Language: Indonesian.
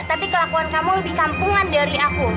tapi kelakuan kamu lebih kampungan dari aku